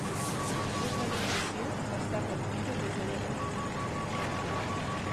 L'organització ha estat activa des de llavors.